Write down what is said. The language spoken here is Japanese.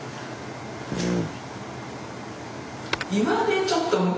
うん。